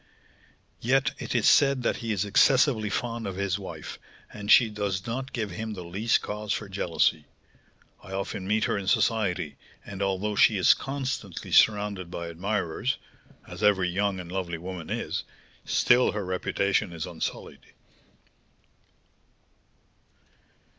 "Yet it is said that he is excessively fond of his wife, and she does not give him the least cause for jealousy. I often meet her in society, and, although she is constantly surrounded by admirers (as every young and lovely woman is), still her reputation is unsullied."